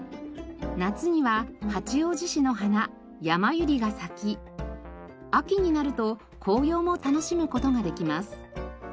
夏には八王子市の花ヤマユリが咲き秋になると紅葉も楽しむ事ができます。